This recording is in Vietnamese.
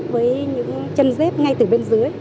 với những chân dếp ngay từ bên dưới